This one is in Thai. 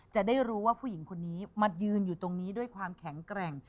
จะได้รู้ว่าผู้หญิงคนนี้มายืนอยู่ตรงนี้ด้วยความแข็งแกร่ง